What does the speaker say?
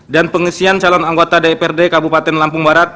dan pengisian calon anggota dprd kabupaten lampung barat